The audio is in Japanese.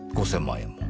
５０００万円も？